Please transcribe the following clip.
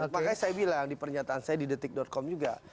makanya saya bilang di pernyataan saya di detik com juga